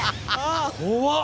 怖っ！